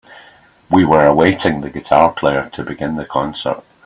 We were awaiting the guitar player to begin the concert.